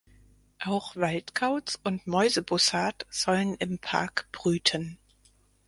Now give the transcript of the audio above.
Auch Waldkauz und Mäusebussard sollen im Park brüten.